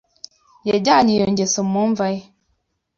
Yajyanye iyo ngeso mu mva ye.